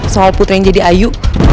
soal putri yang jadi ayu